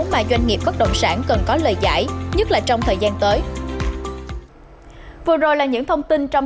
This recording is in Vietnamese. mà doanh nghiệp bất động sản cần có lựa chọn